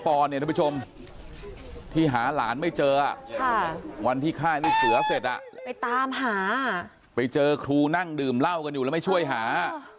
ทุกผู้ชมที่หาหลานไม่เจอวันที่ค่ายลูกเสือเสร็จไปตามหาไปเจอครูนั่งดื่มเหล้ากันอยู่แล้วไม่ช่วยหา